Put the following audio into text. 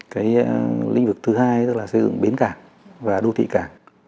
cái lĩnh vực thứ hai tức là xây dựng bến cảng và đô thị cảng